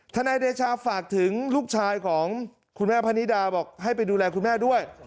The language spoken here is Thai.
นายเดชาฝากถึงลูกชายของคุณแม่พนิดาบอกให้ไปดูแลคุณแม่ด้วย